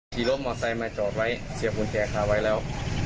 กี่รถมอสไซค์มาจอดไว้เสียพุนแขกละไว้แล้ว